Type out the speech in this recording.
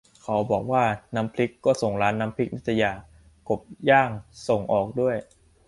เขาบอกว่าน้ำพริก ก็ส่งร้านน้ำพริกนิตยา กบย่างส่งออกด้วย